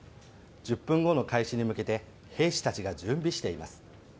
１０分後の開始に向けて兵士たちが準備しています。